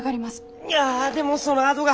いやでもそのあどが。